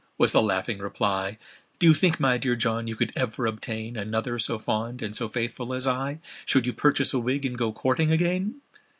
was the laughing reply; "Do you think, my dear John, you could ever obtain Another so fond and so faithful as I, Should you purchase a wig, and go courting again?"